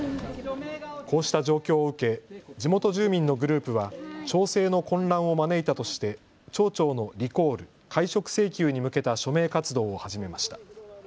こうした状況を受け地元住民のグループは町政の混乱を招いたとして町長のリコール・解職請求に向けた署名活動を始めました。